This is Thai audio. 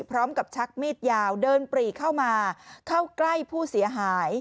ชักมีดยาวเดินปรีเข้ามาเข้าใกล้ผู้เสียหาย